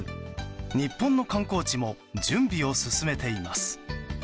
日本の観光地も準備を進めています。